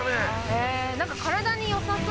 何か体に良さそう。